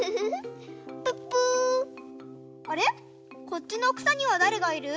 こっちのくさにはだれがいる？